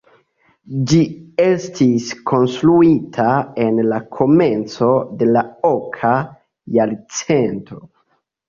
Ĝi estis konstruita en la komenco de la oka jarcento.